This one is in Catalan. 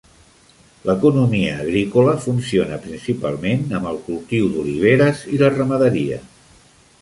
L'economia agrícola funciona principalment amb el cultiu d'oliveres i la ramaderia.